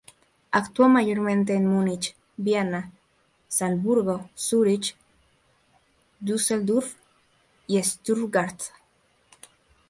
Actuó mayormente en Múnich, Viena, Salzburgo, Zurich, Düsseldorf y Stuttgart.